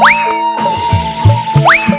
saya dari kabupaten